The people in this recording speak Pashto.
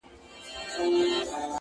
چي په وینو یې د ورور سره وي لاسونه!!